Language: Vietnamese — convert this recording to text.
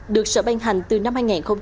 được sở ban hành từ năm hai nghìn hai mươi một